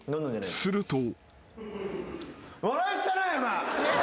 ［すると］